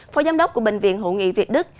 phó giám đốc bệnh viện hữu nghị việt đức